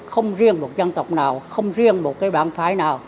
không riêng một dân tộc nào không riêng một cái bản phái nào